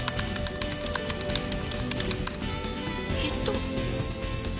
ヒット。